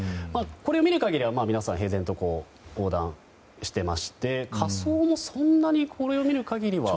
これを見る限りは皆さん、平然と横断していまして仮装も、そんなに見る限りは。